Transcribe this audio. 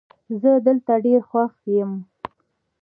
زه دلته ډېر خوښ یم